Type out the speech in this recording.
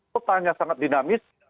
pertanyaan sangat dinamis